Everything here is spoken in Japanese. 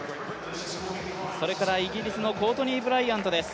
それからイギリスのコートニーブライアントです。